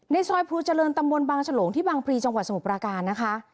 ซอยภูเจริญตำบลบางฉลงที่บางพลีจังหวัดสมุทราการนะคะ